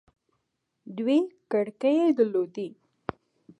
دوې کړکۍ يې در لودې.